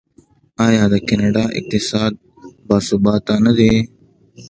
آیا د کاناډا اقتصاد باثباته نه دی؟